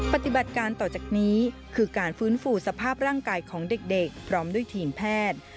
ปฏิบัติการต่อจากนี้คือการฟื้นฟูสภาพร่างกายของเด็กพร้อมด้วยทีมแพทย์